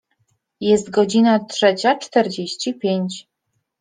Jest godzina trzecia czterdzieści pięć.